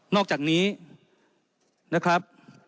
อกจากนี้นะครับ